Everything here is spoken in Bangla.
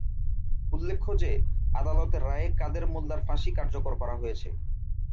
উল্লেখ্য যে, আদালতের রায়ে কাদের মোল্লার ফাঁসি কার্যকর করা হয়েছে।